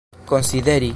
konsideri